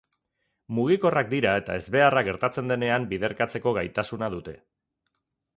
Mugikorrak dira eta ezbeharra gertatzen denean biderkatzeko gaitasuna dute.